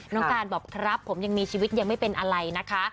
น้องการบอกครับผมยังมีชีวิตยังไม่เป็นอะไรนะคะ